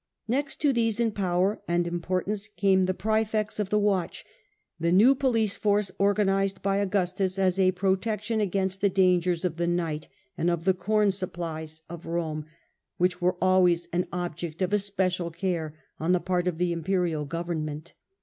Next to these in power and importance came the rigiium, praefects of the watch — the new police force anuonae. organised by Augustus as a protection against the dangers of the night ; and of the corn supplies oi A.D. 14* Augustus, ly Rome, which were always an object of especial care on the part of the imperial government.